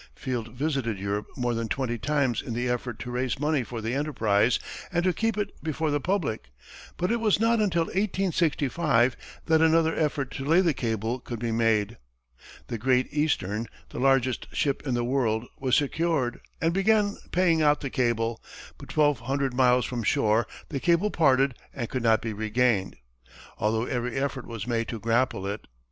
Field visited Europe more than twenty times in the effort to raise money for the enterprise and to keep it before the public, but it was not until 1865 that another effort to lay the cable could be made. The "Great Eastern," the largest ship in the world, was secured, and began paying out the cable; but twelve hundred miles from shore the cable parted and could not be regained, although every effort was made to grapple it.